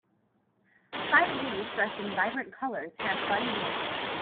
Five ladies dressed in vibrant colors having fun dancing.